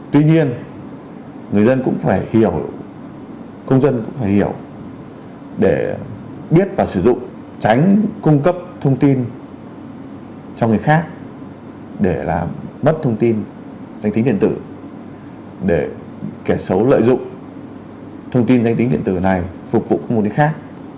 tuy nhiên người dân cũng phải hiểu công dân cũng phải hiểu để biết và sử dụng tránh cung cấp thông tin cho người khác để làm mất thông tin danh tính điện tử để kẻ xấu lợi dụng thông tin danh tính điện tử này phục vụ một người khác